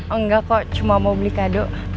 enggak kok cuma mau beli kado